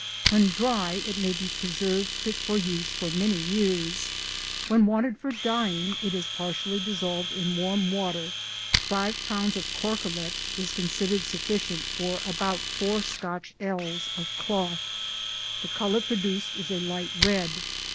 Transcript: When dry it may be preserved fit for use for many years; when wanted for dyeing it is partially dissolved in warm water; 5 lbs. of Korkalett is considered sufficient for about 4 Scotch ells of cloth. The colour produced is a light red.